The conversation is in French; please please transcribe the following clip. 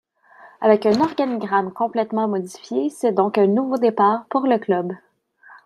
Avec un organigramme complètement modifié c'est donc un nouveau départ pour le club.